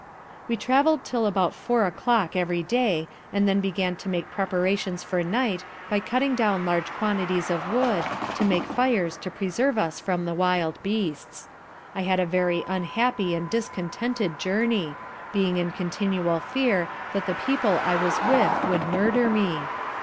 We travel'd 'till about four o'clock every day, and then began to make preparations for night, by cutting down large quantities of wood, to make fires to preserve us from the wild beasts. I had a very unhappy and discontented journey, being in continual fear that the people I was with would murder me.